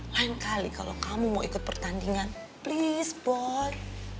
lain kali kalau kamu mau ikut pertandingan please sport